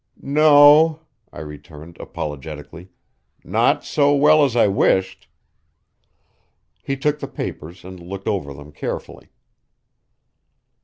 "No o," I returned apologetically. "Not so well as I wished." He took the papers and looked over them carefully.